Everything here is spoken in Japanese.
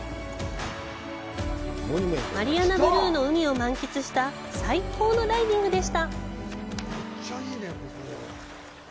マリアナブルーの海を満喫した最高のダイビングでした！